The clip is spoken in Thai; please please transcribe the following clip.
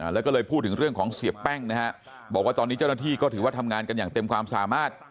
แล้วก็เลยพูดถึงเรื่องของเสียแป้งนะฮะบอกว่าตอนนี้เจ้าหน้าที่ก็ถือว่าทำงานกันอย่างเต็มความสามารถ